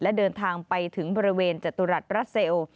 และเดินทางไปถึงบริเวณจตุรัสบรัสเซล